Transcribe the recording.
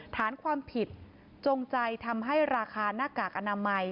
ฐานความผิดจงใจทำให้ราคาหน้ากากอนามัย